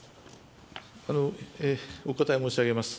お答え申し上げます。